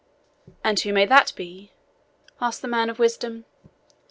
"And who may that be?" asked the man of wisdom.